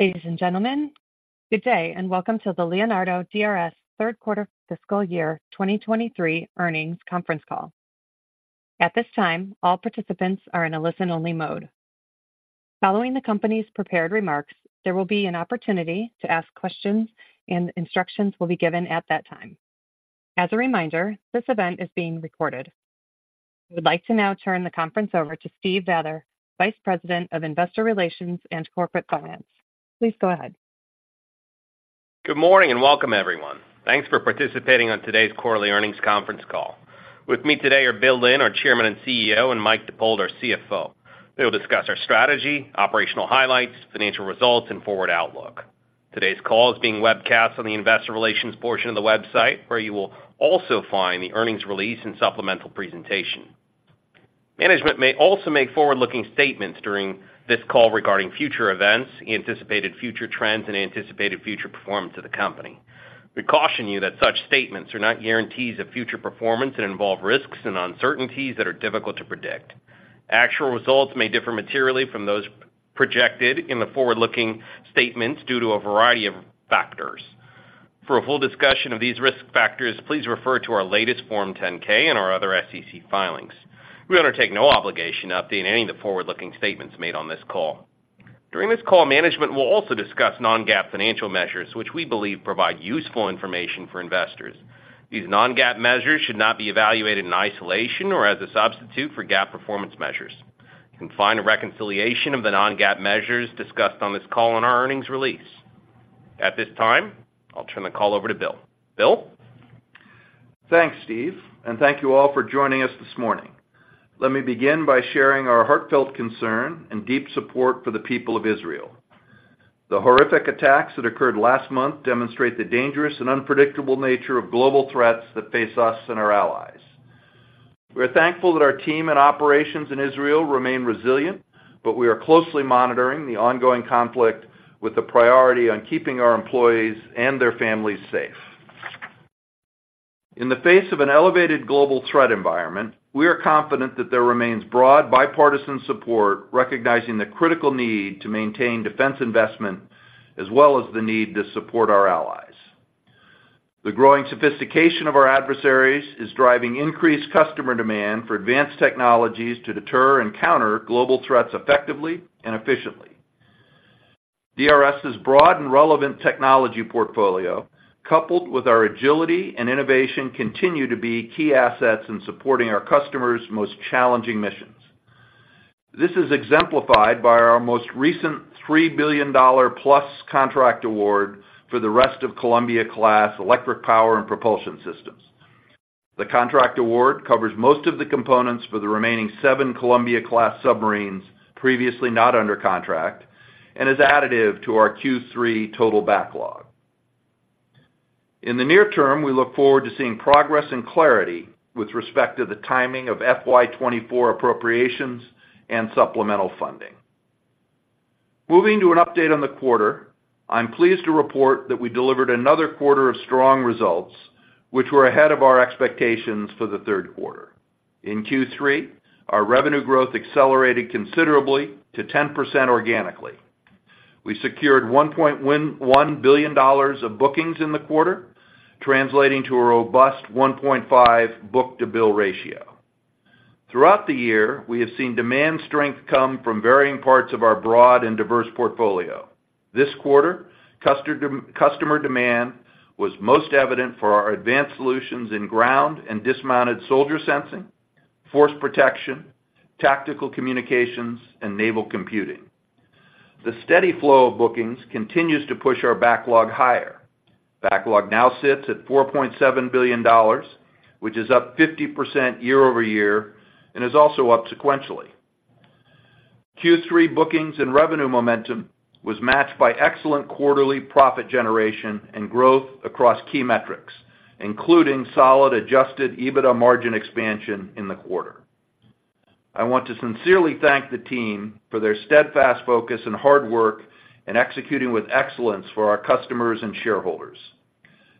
Ladies and gentlemen, good day, and welcome to the Leonardo DRS Third Quarter Fiscal Year 2023 Earnings Conference Call. At this time, all participants are in a listen-only mode. Following the company's prepared remarks, there will be an opportunity to ask questions, and instructions will be given at that time. As a reminder, this event is being recorded. I would like to now turn the conference over to Stephen Vather, Vice President of Investor Relations and Corporate Finance. Please go ahead. Good morning, and welcome, everyone. Thanks for participating on today's quarterly earnings conference call. With me today are Bill Lynn, our Chairman and CEO, and Mike Dippold, our CFO. They will discuss our strategy, operational highlights, financial results, and forward outlook. Today's call is being webcast on the investor relations portion of the website, where you will also find the earnings release and supplemental presentation. Management may also make forward-looking statements during this call regarding future events, anticipated future trends, and anticipated future performance of the company. We caution you that such statements are not guarantees of future performance and involve risks and uncertainties that are difficult to predict. Actual results may differ materially from those projected in the forward-looking statements due to a variety of factors. For a full discussion of these risk factors, please refer to our latest Form 10-K and our other SEC filings. We undertake no obligation to update any of the forward-looking statements made on this call. During this call, management will also discuss non-GAAP financial measures, which we believe provide useful information for investors. These non-GAAP measures should not be evaluated in isolation or as a substitute for GAAP performance measures. You can find a reconciliation of the non-GAAP measures discussed on this call on our earnings release. At this time, I'll turn the call over to Bill. Bill? Thanks, Steve, and thank you all for joining us this morning. Let me begin by sharing our heartfelt concern and deep support for the people of Israel. The horrific attacks that occurred last month demonstrate the dangerous and unpredictable nature of global threats that face us and our allies. We're thankful that our team and operations in Israel remain resilient, but we are closely monitoring the ongoing conflict with a priority on keeping our employees and their families safe. In the face of an elevated global threat environment, we are confident that there remains broad, bipartisan support, recognizing the critical need to maintain defense investment, as well as the need to support our allies. The growing sophistication of our adversaries is driving increased customer demand for advanced technologies to deter and counter global threats effectively and efficiently. DRS's broad and relevant technology portfolio, coupled with our agility and innovation, continue to be key assets in supporting our customers' most challenging missions. This is exemplified by our most recent $3 billion-plus contract award for the rest of the Columbia-class electric power and propulsion systems. The contract award covers most of the components for the remaining seven Columbia-class submarines previously not under contract and is additive to our Q3 total backlog. In the near term, we look forward to seeing progress and clarity with respect to the timing of FY 2024 appropriations and supplemental funding. Moving to an update on the quarter, I'm pleased to report that we delivered another quarter of strong results, which were ahead of our expectations for the third quarter. In Q3, our revenue growth accelerated considerably to 10% organically. We secured $1.1 billion of bookings in the quarter, translating to a robust 1.5 book-to-bill ratio. Throughout the year, we have seen demand strength come from varying parts of our broad and diverse portfolio. This quarter, customer demand was most evident for our advanced solutions in ground and dismounted soldier sensing, force protection, tactical communications, and naval computing. The steady flow of bookings continues to push our backlog higher. Backlog now sits at $4.7 billion, which is up 50% year-over-year and is also up sequentially. Q3 bookings and revenue momentum was matched by excellent quarterly profit generation and growth across key metrics, including solid Adjusted EBITDA margin expansion in the quarter. I want to sincerely thank the team for their steadfast focus and hard work in executing with excellence for our customers and shareholders.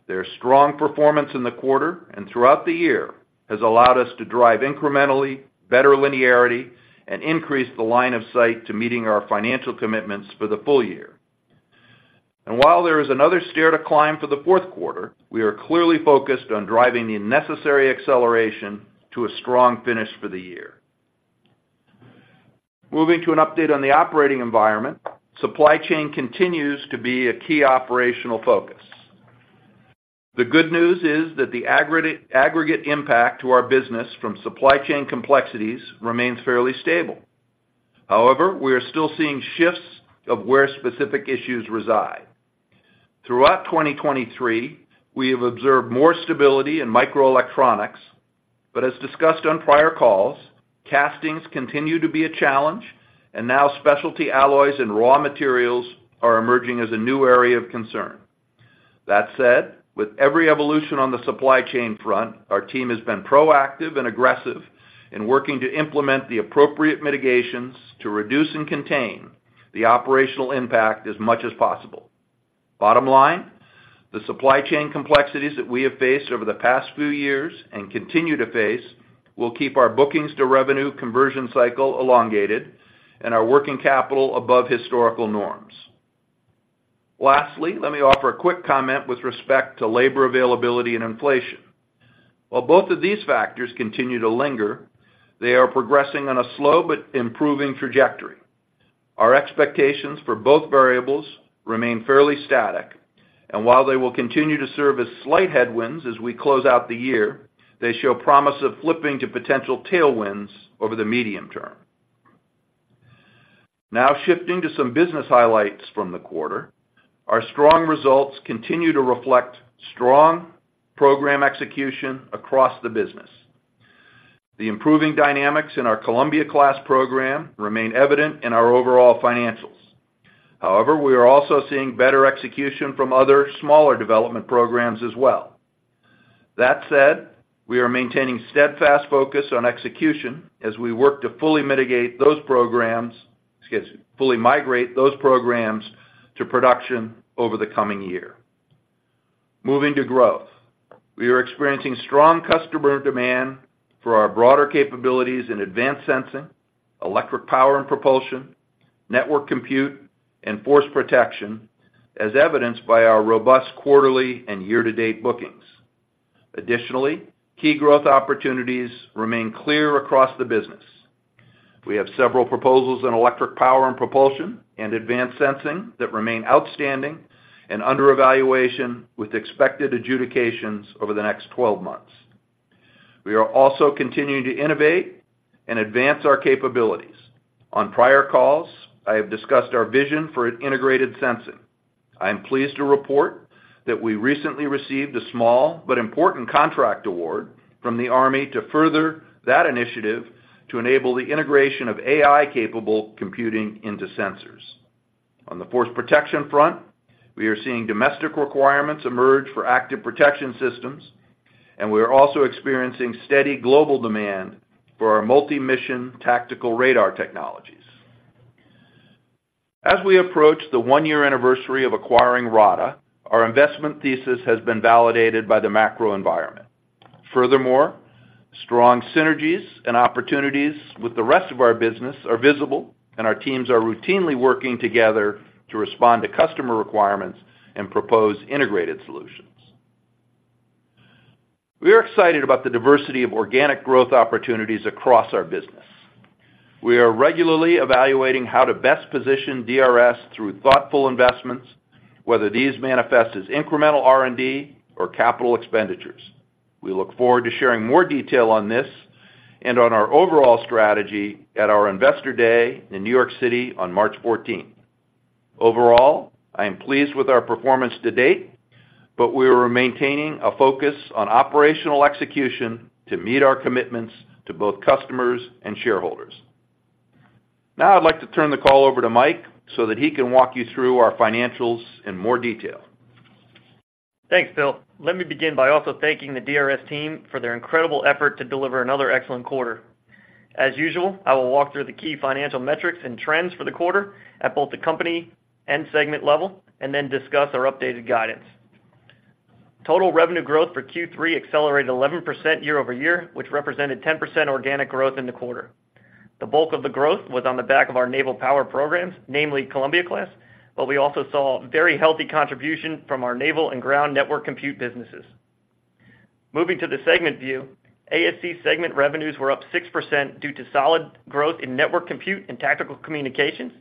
Their strong performance in the quarter and throughout the year has allowed us to drive incrementally better linearity and increase the line of sight to meeting our financial commitments for the full year. And while there is another stair to climb for the fourth quarter, we are clearly focused on driving the necessary acceleration to a strong finish for the year. Moving to an update on the operating environment, supply chain continues to be a key operational focus. The good news is that the aggregate, aggregate impact to our business from supply chain complexities remains fairly stable. However, we are still seeing shifts of where specific issues reside. Throughout 2023, we have observed more stability in microelectronics, but as discussed on prior calls, castings continue to be a challenge, and now specialty alloys and raw materials are emerging as a new area of concern. That said, with every evolution on the supply chain front, our team has been proactive and aggressive in working to implement the appropriate mitigations to reduce and contain the operational impact as much as possible... Bottom line, the supply chain complexities that we have faced over the past few years and continue to face will keep our bookings to revenue conversion cycle elongated and our working capital above historical norms. Lastly, let me offer a quick comment with respect to labor availability and inflation. While both of these factors continue to linger, they are progressing on a slow but improving trajectory. Our expectations for both variables remain fairly static, and while they will continue to serve as slight headwinds as we close out the year, they show promise of flipping to potential tailwinds over the medium term. Now, shifting to some business highlights from the quarter. Our strong results continue to reflect strong program execution across the business. The improving dynamics in our Columbia-class program remain evident in our overall financials. However, we are also seeing better execution from other smaller development programs as well. That said, we are maintaining steadfast focus on execution as we work to fully migrate those programs to production over the coming year. Moving to growth. We are experiencing strong customer demand for our broader capabilities in advanced sensing, electric power and propulsion, network compute, and force protection, as evidenced by our robust quarterly and year-to-date bookings. Additionally, key growth opportunities remain clear across the business. We have several proposals in electric power and propulsion and advanced sensing that remain outstanding and under evaluation, with expected adjudications over the next 12 months. We are also continuing to innovate and advance our capabilities. On prior calls, I have discussed our vision for integrated sensing. I am pleased to report that we recently received a small but important contract award from the Army to further that initiative to enable the integration of AI-capable computing into sensors. On the force protection front, we are seeing domestic requirements emerge for active protection systems, and we are also experiencing steady global demand for our multi-mission tactical radar technologies. As we approach the one-year anniversary of acquiring RADA, our investment thesis has been validated by the macro environment. Furthermore, strong synergies and opportunities with the rest of our business are visible, and our teams are routinely working together to respond to customer requirements and propose integrated solutions. We are excited about the diversity of organic growth opportunities across our business. We are regularly evaluating how to best position DRS through thoughtful investments, whether these manifest as incremental R&D or capital expenditures. We look forward to sharing more detail on this and on our overall strategy at our Investor Day in New York City on March fourteenth. Overall, I am pleased with our performance to date, but we are maintaining a focus on operational execution to meet our commitments to both customers and shareholders. Now, I'd like to turn the call over to Mike so that he can walk you through our financials in more detail. Thanks, Bill. Let me begin by also thanking the DRS team for their incredible effort to deliver another excellent quarter. As usual, I will walk through the key financial metrics and trends for the quarter at both the company and segment level, and then discuss our updated guidance. Total revenue growth for Q3 accelerated 11% year-over-year, which represented 10% organic growth in the quarter. The bulk of the growth was on the back of our naval power programs, namely Columbia-class, but we also saw a very healthy contribution from our naval and ground network compute businesses. Moving to the segment view, ASC segment revenues were up 6% due to solid growth in network compute and tactical communications,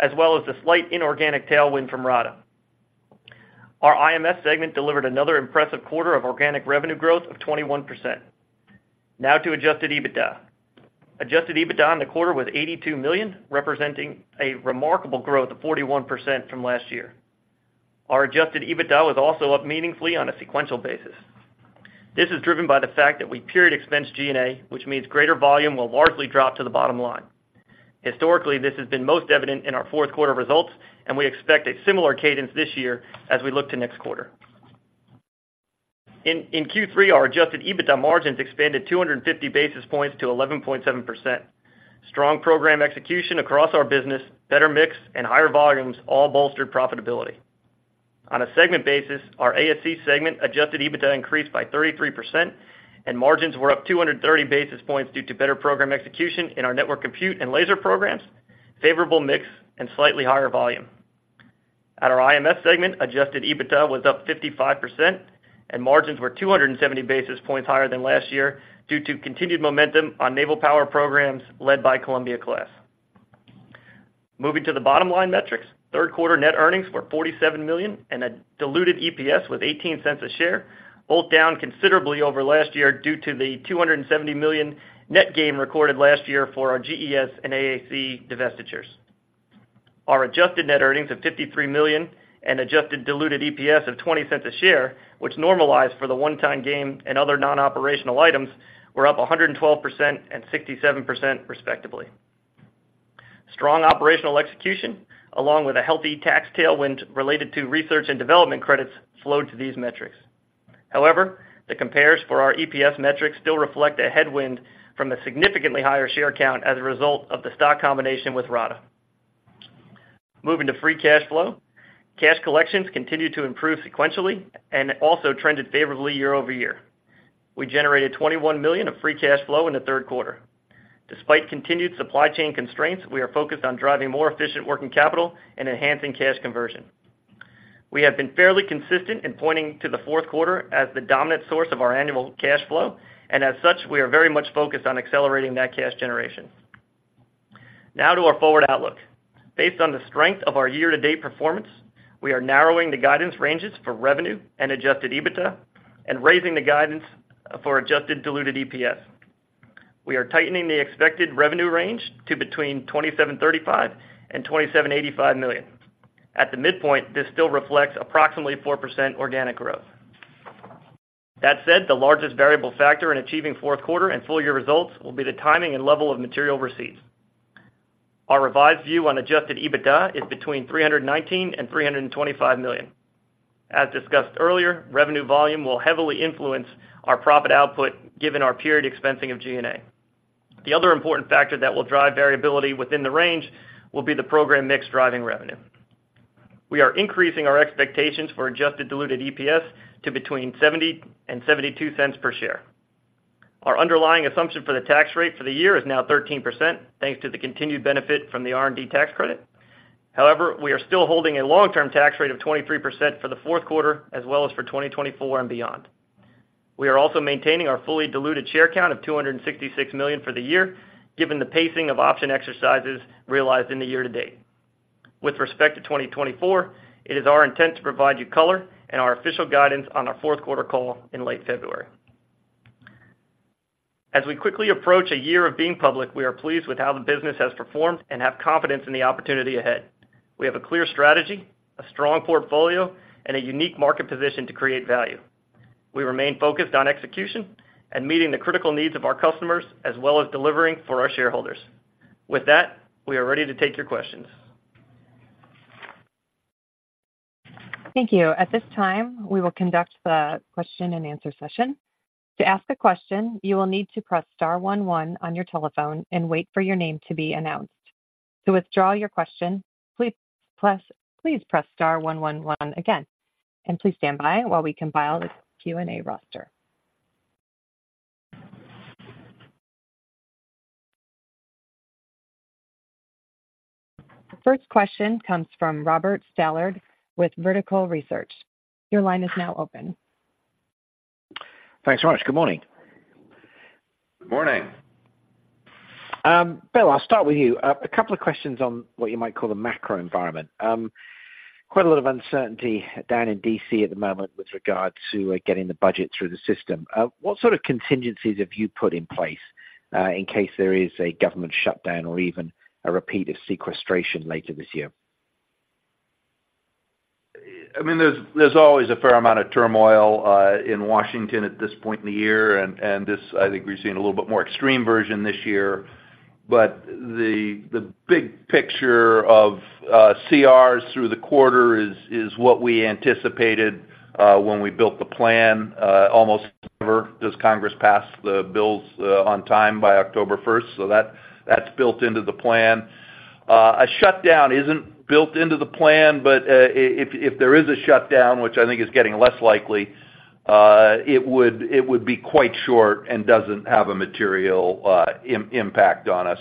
as well as the slight inorganic tailwind from RADA. Our IMS segment delivered another impressive quarter of organic revenue growth of 21%. Now to Adjusted EBITDA. Adjusted EBITDA in the quarter was $82 million, representing a remarkable growth of 41% from last year. Our adjusted EBITDA was also up meaningfully on a sequential basis. This is driven by the fact that we period expense G&A, which means greater volume will largely drop to the bottom line. Historically, this has been most evident in our fourth quarter results, and we expect a similar cadence this year as we look to next quarter. In Q3, our adjusted EBITDA margins expanded 250 basis points to 11.7%. Strong program execution across our business, better mix, and higher volumes all bolstered profitability. On a segment basis, our ASC segment adjusted EBITDA increased by 33%, and margins were up 230 basis points due to better program execution in our network compute and laser programs, favorable mix, and slightly higher volume. At our IMS segment, Adjusted EBITDA was up 55%, and margins were 270 basis points higher than last year due to continued momentum on naval power programs led by Columbia-class. Moving to the bottom line metrics. Third quarter net earnings were $47 million, and a diluted EPS with $0.18 a share, both down considerably over last year due to the $270 million net gain recorded last year for our GES and AAC divestitures. Our adjusted net earnings of $53 million and adjusted diluted EPS of $0.20 a share, which normalized for the one-time gain and other non-operational items, were up 112% and 67%, respectively. Strong operational execution, along with a healthy tax tailwind related to research and development credits, flowed to these metrics.... However, the compares for our EPS metrics still reflect a headwind from the significantly higher share count as a result of the stock combination with RADA. Moving to free cash flow. Cash collections continued to improve sequentially and also trended favorably year-over-year. We generated $21 million of free cash flow in the third quarter. Despite continued supply chain constraints, we are focused on driving more efficient working capital and enhancing cash conversion. We have been fairly consistent in pointing to the fourth quarter as the dominant source of our annual cash flow, and as such, we are very much focused on accelerating that cash generation. Now to our forward outlook. Based on the strength of our year-to-date performance, we are narrowing the guidance ranges for revenue and adjusted EBITDA and raising the guidance for adjusted diluted EPS. We are tightening the expected revenue range to between $2,735 million and $2,785 million. At the midpoint, this still reflects approximately 4% organic growth. That said, the largest variable factor in achieving fourth quarter and full year results will be the timing and level of material receipts. Our revised view on Adjusted EBITDA is between $319 million and $325 million. As discussed earlier, revenue volume will heavily influence our profit output, given our period expensing of G&A. The other important factor that will drive variability within the range will be the program mix driving revenue. We are increasing our expectations for adjusted diluted EPS to between $0.70 and $0.72 per share. Our underlying assumption for the tax rate for the year is now 13%, thanks to the continued benefit from the R&D tax credit. However, we are still holding a long-term tax rate of 23% for the fourth quarter, as well as for 2024 and beyond. We are also maintaining our fully diluted share count of 266 million for the year, given the pacing of option exercises realized in the year to date. With respect to 2024, it is our intent to provide you color and our official guidance on our fourth quarter call in late February. As we quickly approach a year of being public, we are pleased with how the business has performed and have confidence in the opportunity ahead. We have a clear strategy, a strong portfolio, and a unique market position to create value. We remain focused on execution and meeting the critical needs of our customers, as well as delivering for our shareholders. With that, we are ready to take your questions. Thank you. At this time, we will conduct the question and answer session. To ask a question, you will need to press star one one on your telephone and wait for your name to be announced. To withdraw your question, please press, please press star one one one again, and please stand by while we compile this Q&A roster. The first question comes from Robert Stallard with Vertical Research. Your line is now open. Thanks so much. Good morning. Good morning. Bill, I'll start with you. A couple of questions on what you might call the macro environment. Quite a lot of uncertainty down in D.C. at the moment with regard to getting the budget through the system. What sort of contingencies have you put in place in case there is a government shutdown or even a repeat of sequestration later this year? I mean, there's always a fair amount of turmoil in Washington at this point in the year, and this, I think we've seen a little bit more extreme version this year. But the big picture of CRs through the quarter is what we anticipated when we built the plan. Almost never does Congress pass the bills on time by October first. So that's built into the plan. A shutdown isn't built into the plan, but if there is a shutdown, which I think is getting less likely, it would be quite short and doesn't have a material impact on us.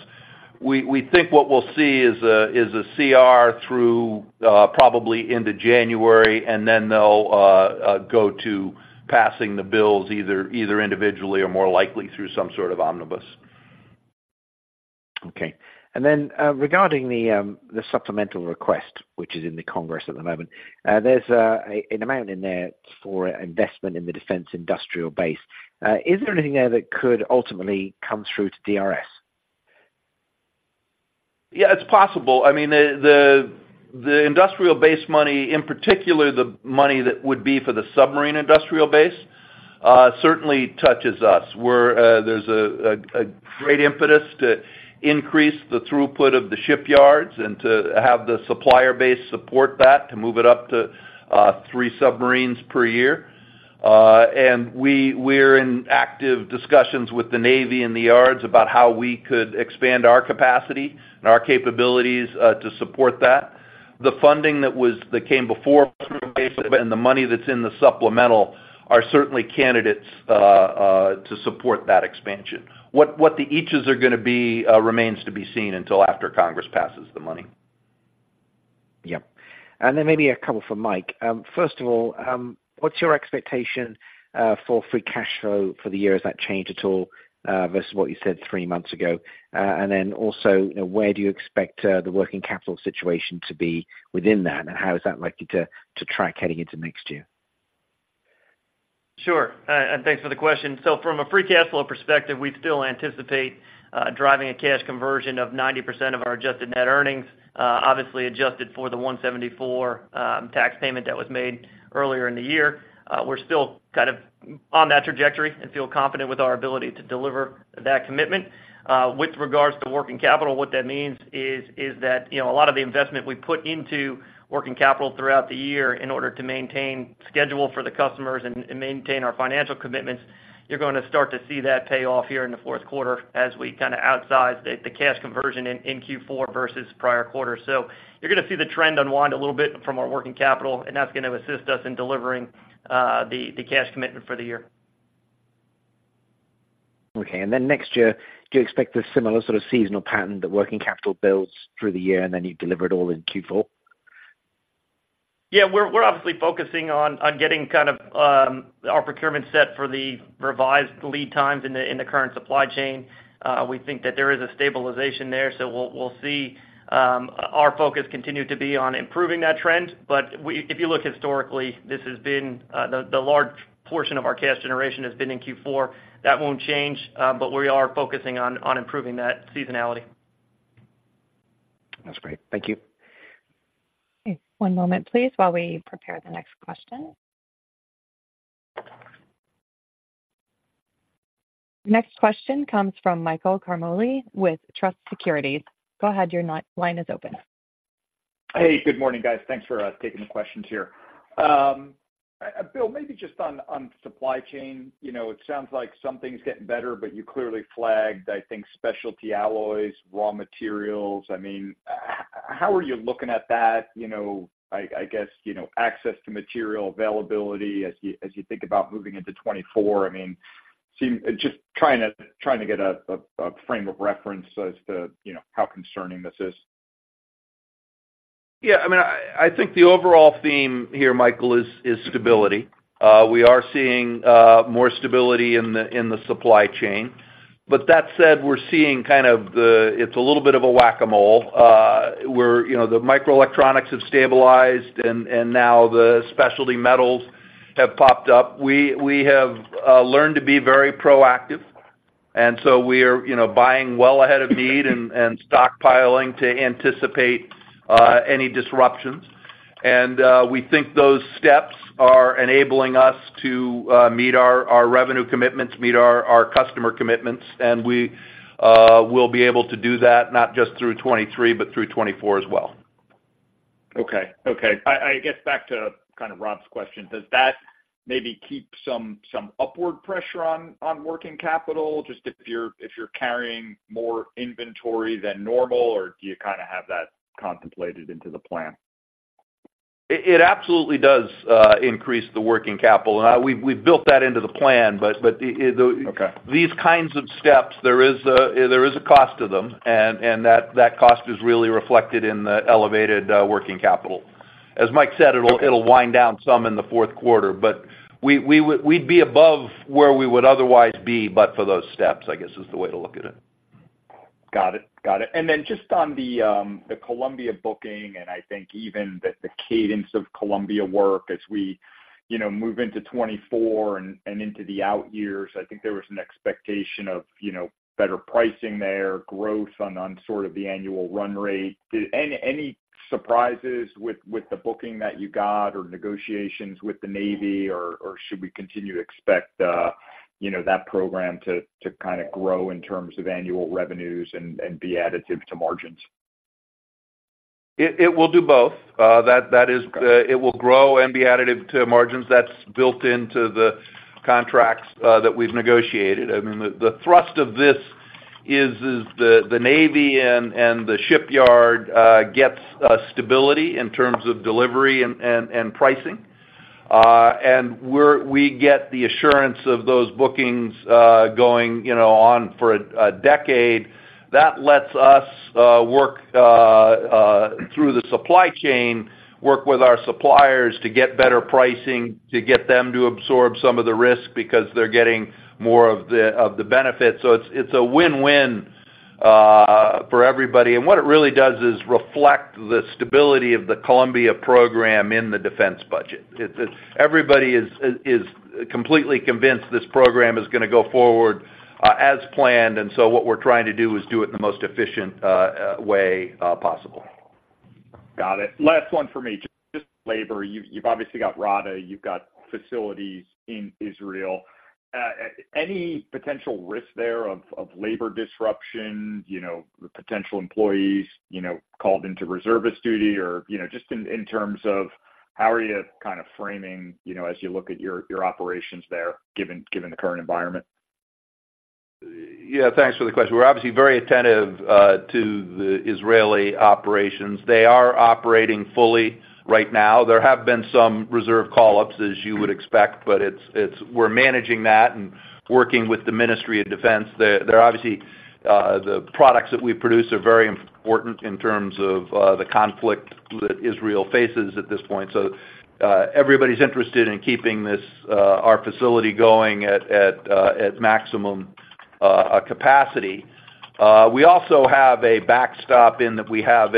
We think what we'll see is a CR through probably into January, and then they'll go to passing the bills either individually or more likely through some sort of omnibus. Okay. Then, regarding the supplemental request, which is in the Congress at the moment, there's an amount in there for investment in the defense industrial base. Is there anything there that could ultimately come through to DRS? Yeah, it's possible. I mean, the industrial base money, in particular, the money that would be for the submarine industrial base, certainly touches us. There's a great impetus to increase the throughput of the shipyards and to have the supplier base support that, to move it up to three submarines per year. And we're in active discussions with the Navy and the yards about how we could expand our capacity and our capabilities to support that. The funding that came before, and the money that's in the supplemental are certainly candidates to support that expansion. What the eaches are gonna be remains to be seen until after Congress passes the money. Yep. And then maybe a couple for Mike. First of all, what's your expectation for free cash flow for the year? Has that changed at all versus what you said three months ago? And then also, you know, where do you expect the working capital situation to be within that, and how is that likely to track heading into next year? ... Sure. And thanks for the question. So from a free cash flow perspective, we still anticipate driving a cash conversion of 90% of our adjusted net earnings, obviously adjusted for the $174 tax payment that was made earlier in the year. We're still kind of on that trajectory and feel confident with our ability to deliver that commitment. With regards to working capital, what that means is that, you know, a lot of the investment we put into working capital throughout the year in order to maintain schedule for the customers and maintain our financial commitments, you're going to start to see that pay off here in the fourth quarter as we kind of outsize the cash conversion in Q4 versus prior quarters. So you're gonna see the trend unwind a little bit from our working capital, and that's gonna assist us in delivering the cash commitment for the year. Okay. And then next year, do you expect a similar sort of seasonal pattern, that working capital builds through the year, and then you deliver it all in Q4? Yeah, we're obviously focusing on getting kind of our procurement set for the revised lead times in the current supply chain. We think that there is a stabilization there, so we'll see. Our focus continued to be on improving that trend, but if you look historically, this has been the large portion of our cash generation has been in Q4. That won't change, but we are focusing on improving that seasonality. That's great. Thank you. Okay. One moment, please, while we prepare the next question. Next question comes from Michael Ciarmoli with Truist Securities. Go ahead, your line is open. Hey, good morning, guys. Thanks for taking the questions here. Bill, maybe just on, on supply chain, you know, it sounds like something's getting better, but you clearly flagged, I think, specialty alloys, raw materials. I mean, how are you looking at that? You know, I, I guess, you know, access to material availability as you, as you think about moving into 2024. I mean, just trying to, trying to get a frame of reference as to, you know, how concerning this is. Yeah, I mean, I think the overall theme here, Michael, is stability. We are seeing more stability in the supply chain. But that said, we're seeing kind of the... it's a little bit of a whack-a-mole, where, you know, the microelectronics have stabilized and now the specialty metals have popped up. We have learned to be very proactive, and so we are, you know, buying well ahead of need and stockpiling to anticipate any disruptions. We think those steps are enabling us to meet our revenue commitments, meet our customer commitments, and we will be able to do that not just through 2023, but through 2024 as well. Okay. I guess back to kind of Rob's question, does that maybe keep some upward pressure on working capital, just if you're carrying more inventory than normal, or do you kind of have that contemplated into the plan? It absolutely does increase the working capital, and we've built that into the plan, but the— Okay. These kinds of steps, there is a cost to them, and that cost is really reflected in the elevated working capital. As Mike said, it'll- Okay... it'll wind down some in the fourth quarter, but we'd be above where we would otherwise be, but for those steps, I guess, is the way to look at it. Got it. Got it. And then just on the, the Columbia booking, and I think even the, the cadence of Columbia work as we, you know, move into 2024 and, and into the out years, I think there was an expectation of, you know, better pricing there, growth on, on sort of the annual run rate. Did any, any surprises with, with the booking that you got or negotiations with the Navy, or should we continue to expect, you know, that program to, to kind of grow in terms of annual revenues and, and be additive to margins? It will do both. That is- Okay... it will grow and be additive to margins. That's built into the contracts that we've negotiated. I mean, the thrust of this is the Navy and the shipyard gets stability in terms of delivery and pricing. And we get the assurance of those bookings going, you know, on for a decade. That lets us work through the supply chain, work with our suppliers to get better pricing, to get them to absorb some of the risk because they're getting more of the benefits. So it's a win-win for everybody. And what it really does is reflect the stability of the Columbia program in the defense budget. Everybody is completely convinced this program is gonna go forward as planned, and so what we're trying to do is do it in the most efficient way possible. Got it. Last one for me. Just labor, you've obviously got RADA, you've got facilities in Israel. Any potential risk there of labor disruption, you know, potential employees, you know, called into reservist duty or, you know, just in terms of how are you kind of framing, you know, as you look at your operations there, given the current environment? Yeah, thanks for the question. We're obviously very attentive to the Israeli operations. They are operating fully right now. There have been some reserve call-ups, as you would expect, but we're managing that and working with the Ministry of Defense. They're obviously the products that we produce are very important in terms of the conflict that Israel faces at this point. So, everybody's interested in keeping this our facility going at maximum capacity. We also have a backstop in that we have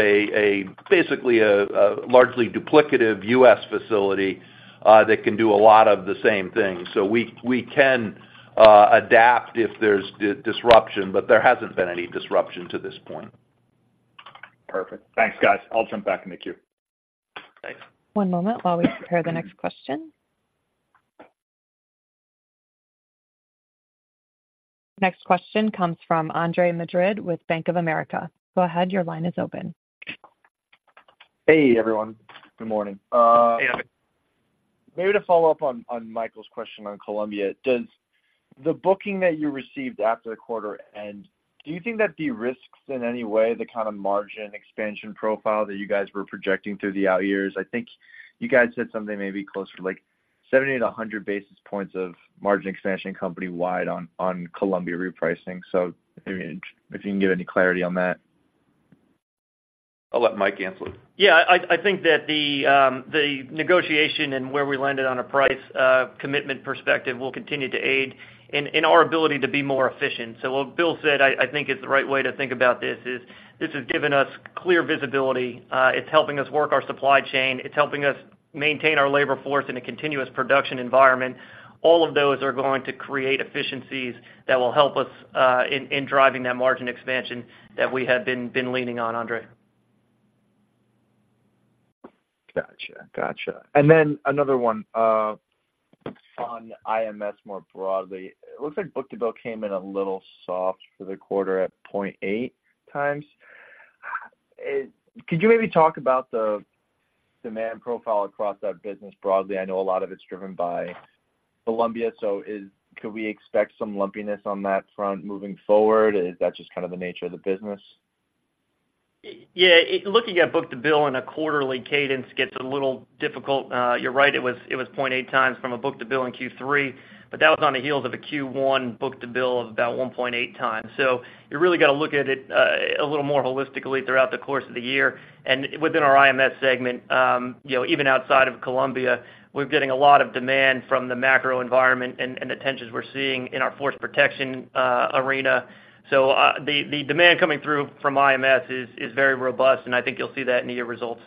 basically a largely duplicative U.S. facility that can do a lot of the same things. So we can adapt if there's disruption, but there hasn't been any disruption to this point. Perfect. Thanks, guys. I'll jump back in the queue. Thanks. One moment while we prepare the next question. Next question comes from Andre Madrid with Bank of America. Go ahead, your line is open. Hey, everyone. Good morning. Hey, Andre. Maybe to follow up on Michael's question on Columbia, does the booking that you received after the quarter end do you think that de-risks in any way the kind of margin expansion profile that you guys were projecting through the out years? I think you guys said something maybe closer to, like, 70 basis points to 100 basis points of margin expansion company-wide on Columbia repricing. So, I mean, if you can give any clarity on that. I'll let Mike answer. Yeah, I think that the negotiation and where we landed on a price commitment perspective will continue to aid in our ability to be more efficient. So what Bill said, I think is the right way to think about this is, this has given us clear visibility. It's helping us work our supply chain. It's helping us maintain our labor force in a continuous production environment. All of those are going to create efficiencies that will help us in driving that margin expansion that we have been leaning on, Andre. Gotcha. Gotcha. And then another one on IMS more broadly. It looks like book-to-bill came in a little soft for the quarter at 0.8 times. Could you maybe talk about the demand profile across that business broadly? I know a lot of it's driven by Columbia, so could we expect some lumpiness on that front moving forward, or is that just kind of the nature of the business? Yeah, looking at book-to-bill on a quarterly cadence gets a little difficult. You're right, it was 0.8x book-to-bill in Q3, but that was on the heels of a Q1 book-to-bill of about 1.8x. So you really got to look at it a little more holistically throughout the course of the year. And within our IMS segment, you know, even outside of Columbia, we're getting a lot of demand from the macro environment and the tensions we're seeing in our force protection arena. So, the demand coming through from IMS is very robust, and I think you'll see that in the year results.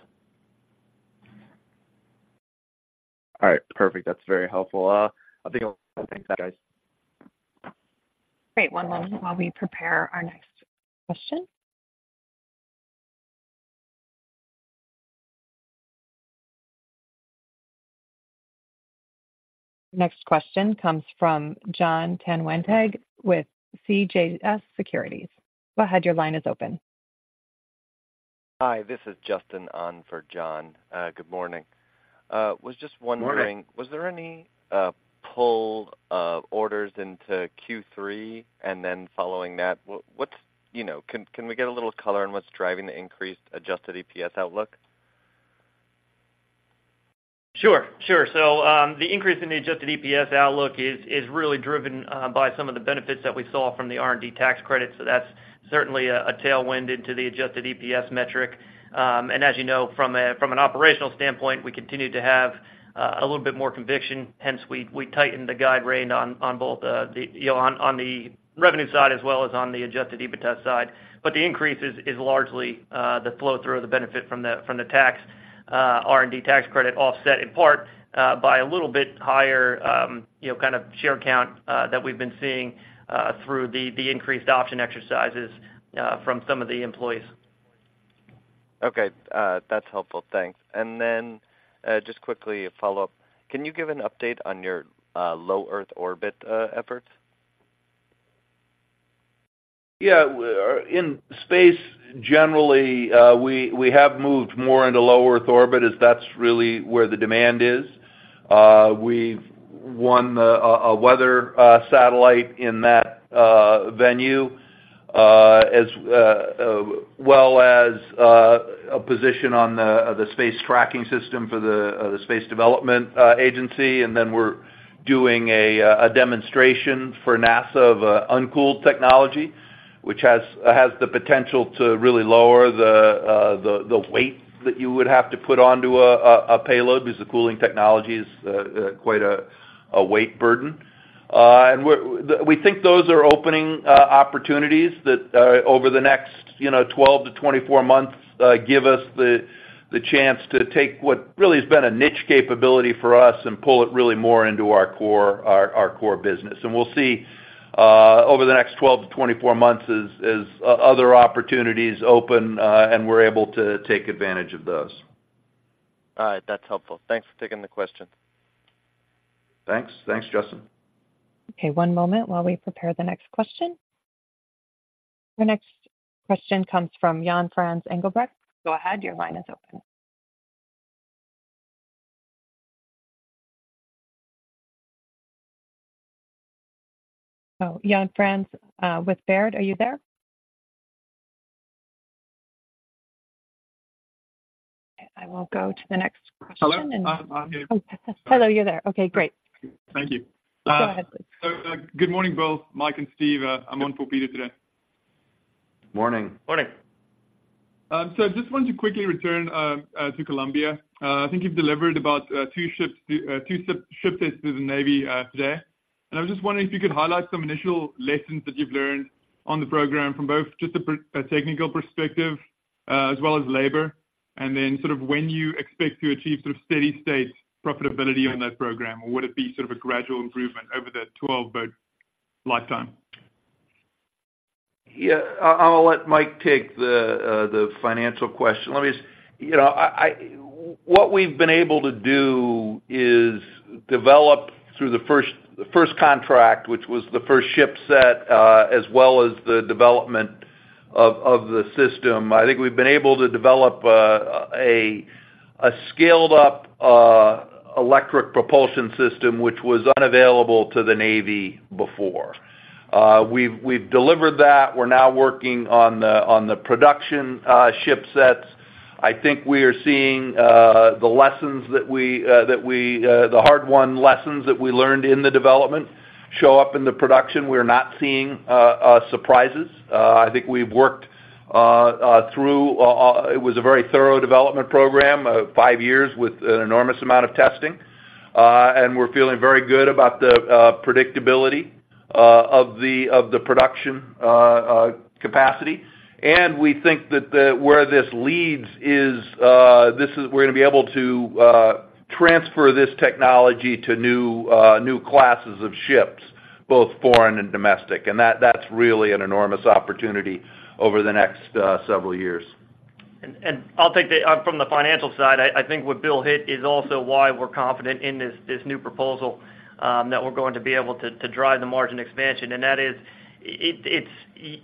All right. Perfect. That's very helpful. I think I'll end that, guys. Great. One moment while we prepare our next question. Next question comes from John Tanwanteng with CJS Securities. Go ahead, your line is open. Hi, this is Justin on for John. Good morning. Was just wondering- Good morning. Was there any pull of orders into Q3? And then following that, what's, you know, can we get a little color on what's driving the increased adjusted EPS outlook? Sure, sure. So, the increase in the adjusted EPS outlook is really driven by some of the benefits that we saw from the R&D tax credit, so that's certainly a tailwind into the adjusted EPS metric. And as you know, from an operational standpoint, we continue to have a little bit more conviction, hence, we tightened the guide range on both the you know, on the revenue side as well as on the adjusted EBITDA side. But the increase is largely the flow through of the benefit from the tax R&D tax credit, offset in part by a little bit higher you know, kind of share count that we've been seeing through the increased option exercises from some of the employees. Okay, that's helpful. Thanks. And then, just quickly a follow-up. Can you give an update on your low Earth orbit efforts? Yeah, in space, generally, we have moved more into low-Earth orbit, as that's really where the demand is. We've won a weather satellite in that venue, as well as a position on the space tracking system for the Space Development Agency. And then we're doing a demonstration for NASA of uncooled technology, which has the potential to really lower the weight that you would have to put onto a payload, because the cooling technology is quite a weight burden. And we think those are opening opportunities that, over the next, you know, 12 to 24 months, give us the chance to take what really has been a niche capability for us and pull it really more into our core business. And we'll see, over the next 12 to 24 months as other opportunities open, and we're able to take advantage of those. All right. That's helpful. Thanks for taking the question. Thanks. Thanks, Justin. Okay, one moment while we prepare the next question. The next question comes from Jan-Frans Engelbrecht. Go ahead, your line is open. Oh, Jan Franz, with Baird, are you there? I will go to the next question and- Hello, I'm here. Oh, hello, you're there. Okay, great. Thank you. Go ahead, please. Good morning, both Mike and Steve. I'm on for Peter today.... Morning. Morning. So I just wanted to quickly return to Columbia. I think you've delivered about two ship sets to the Navy today. And I was just wondering if you could highlight some initial lessons that you've learned on the program from both just a technical perspective as well as labor, and then sort of when you expect to achieve sort of steady state profitability on that program, or would it be sort of a gradual improvement over the 12-boat lifetime? Yeah, I'll let Mike take the financial question. Let me just- You know, what we've been able to do is develop through the first contract, which was the first ship set, as well as the development of the system. I think we've been able to develop a scaled up electric propulsion system, which was unavailable to the Navy before. We've delivered that. We're now working on the production ship sets. I think we are seeing the lessons that we, the hard-won lessons that we learned in the development show up in the production. We're not seeing surprises. I think we've worked through it was a very thorough development program, five years with an enormous amount of testing. And we're feeling very good about the predictability of the production capacity. And we think that where this leads is this; we're gonna be able to transfer this technology to new classes of ships, both foreign and domestic. And that, that's really an enormous opportunity over the next several years. I'll take the from the financial side. I think what Bill hit is also why we're confident in this new proposal that we're going to be able to drive the margin expansion. And that is, it's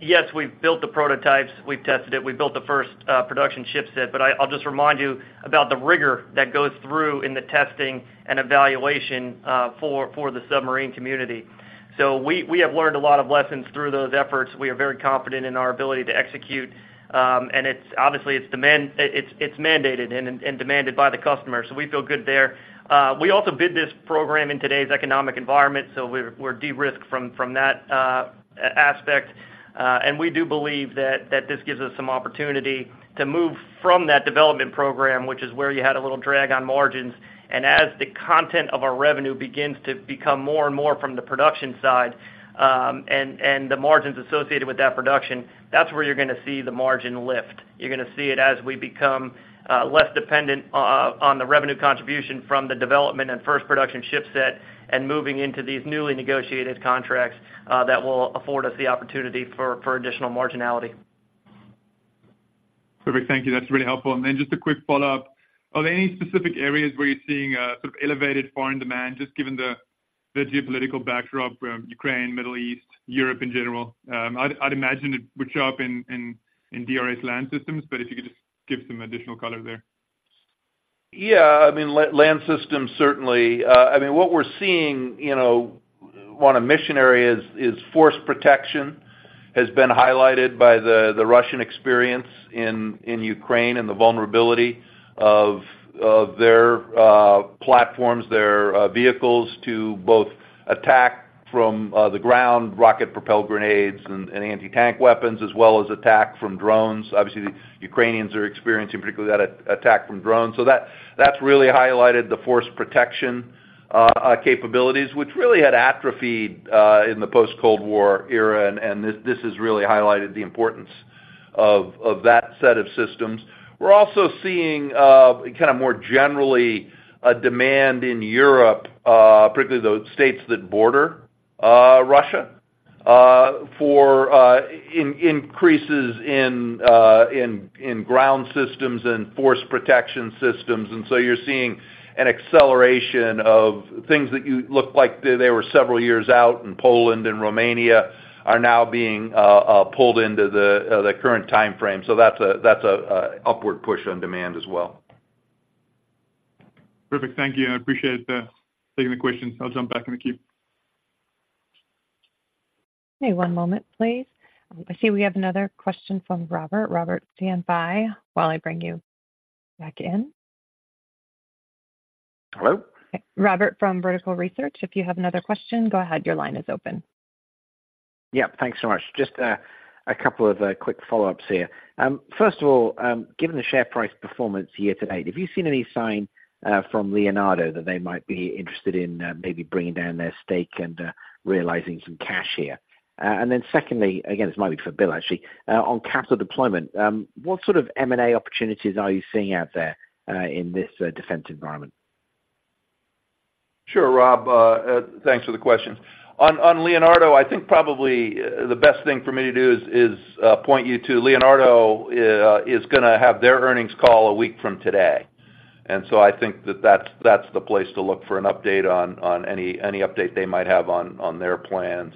yes, we've built the prototypes, we've tested it, we've built the first production ship set, but I'll just remind you about the rigor that goes through in the testing and evaluation for the submarine community. So we have learned a lot of lessons through those efforts. We are very confident in our ability to execute, and it's obviously it's demand, it's mandated and demanded by the customer, so we feel good there. We also bid this program in today's economic environment, so we're de-risked from that aspect. And we do believe that this gives us some opportunity to move from that development program, which is where you had a little drag on margins. And as the content of our revenue begins to become more and more from the production side, and the margins associated with that production, that's where you're gonna see the margin lift. You're gonna see it as we become less dependent on the revenue contribution from the development and first production ship set, and moving into these newly negotiated contracts that will afford us the opportunity for additional marginality. Perfect. Thank you. That's really helpful. And then just a quick follow-up. Are there any specific areas where you're seeing sort of elevated foreign demand, just given the geopolitical backdrop from Ukraine, Middle East, Europe in general? I'd imagine it would show up in DRS Land Systems, but if you could just give some additional color there. Yeah, I mean, Land Systems, certainly. I mean, what we're seeing, you know, one of our missions is force protection, has been highlighted by the Russian experience in Ukraine and the vulnerability of their platforms, their vehicles to both attack from the ground, rocket-propelled grenades and anti-tank weapons, as well as attack from drones. Obviously, the Ukrainians are experiencing particularly that attack from drones. So that's really highlighted the force protection capabilities, which really had atrophied in the post-Cold War era. And this has really highlighted the importance of that set of systems. We're also seeing, kind of more generally, a demand in Europe, particularly those states that border Russia, for increases in ground systems and force protection systems. And so you're seeing an acceleration of things that looked like they were several years out, and Poland and Romania are now being pulled into the current timeframe. So that's an upward push on demand as well. Perfect. Thank you, I appreciate taking the questions. I'll jump back in the queue. Okay, one moment, please. I see we have another question from Robert. Robert, stand by while I bring you back in. Hello? Robert from Vertical Research, if you have another question, go ahead. Your line is open. Yeah, thanks so much. Just a couple of quick follow-ups here. First of all, given the share price performance year to date, have you seen any sign from Leonardo that they might be interested in maybe bringing down their stake and realizing some cash here? And then secondly, again, this might be for Bill actually. On capital deployment, what sort of M&A opportunities are you seeing out there in this defense environment? Sure, Rob. Thanks for the question. On Leonardo, I think probably the best thing for me to do is to point you to Leonardo, is gonna have their earnings call a week from today. And so I think that that's the place to look for an update on any update they might have on their plans.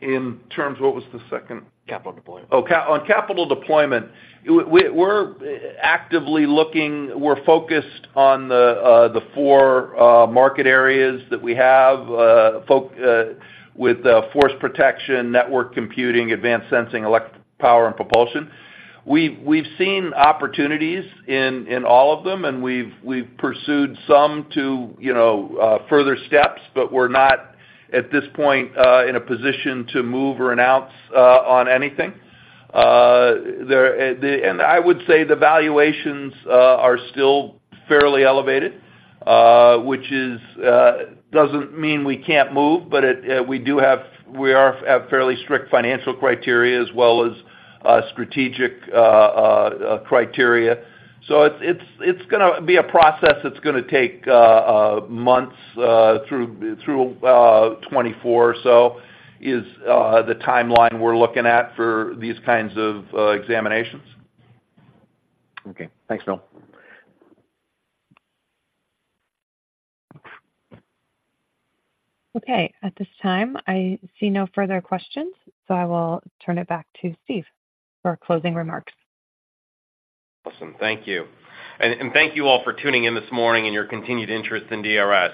In terms... What was the second? Capital deployment. On capital deployment, we're actively looking. We're focused on the four market areas that we have: force protection, network computing, advanced sensing, electric power and propulsion. We've seen opportunities in all of them, and we've pursued some to, you know, further steps, but we're not, at this point, in a position to move or announce on anything. And I would say the valuations are still fairly elevated, which doesn't mean we can't move, but we do have—we have fairly strict financial criteria as well as strategic criteria. So it's gonna be a process that's gonna take months through 2024, so is the timeline we're looking at for these kinds of examinations. Okay. Thanks, Bill. Okay. At this time, I see no further questions, so I will turn it back to Steve for closing remarks. Awesome. Thank you. And thank you all for tuning in this morning and your continued interest in DRS.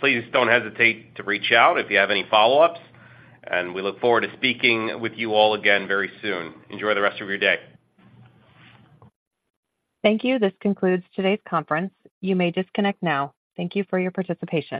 Please don't hesitate to reach out if you have any follow-ups, and we look forward to speaking with you all again very soon. Enjoy the rest of your day. Thank you. This concludes today's conference. You may disconnect now. Thank you for your participation.